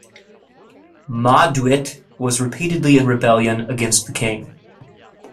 Mauduit was reputedly in rebellion against the King.